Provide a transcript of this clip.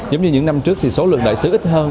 giống như những năm trước thì số lượng đại sứ ít hơn